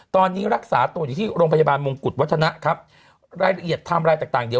ตอนนี้รักษาตัวอยู่ที่โรงพยาบาลมงกุฎวัฒนะครับรายละเอียดไทม์ไลน์ต่างต่างเดี๋ยว